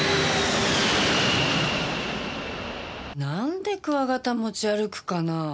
なんでクワガタ持ち歩くかなぁ。